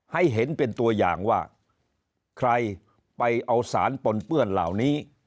ให้เห็นเป็นตัวอย่างว่าใครไปเอาสารปนเปื้อนเหล่านี้